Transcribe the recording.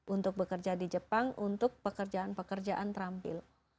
untuk bekerja di jepang untuk pekerjaan pekerjaan terampil